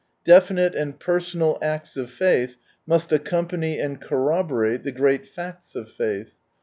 Definite and personal acts of faith must accompany and corroborate the great facts of faith.